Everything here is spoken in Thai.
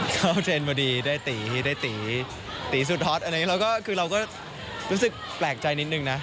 เทรนด์พอดีได้ตีได้ตีตีสุดฮอตอันนี้เราก็คือเราก็รู้สึกแปลกใจนิดนึงนะ